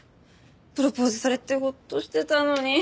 プロポーズされてホッとしてたのに。